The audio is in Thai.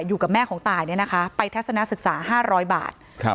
อยู่กับแม่ของตายเนี่ยนะคะไปทัศนศึกษา๕๐๐บาท